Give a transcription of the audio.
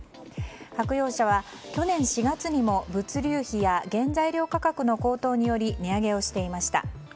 白洋舎は去年４月にも物流費や原材料価格の高騰により値上げをしていました。